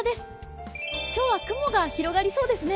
今日は雲が広がりそうですね。